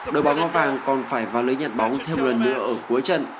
đội bóng áo vàng còn phải vào lưới nhận bóng thêm lần nữa ở cuối trận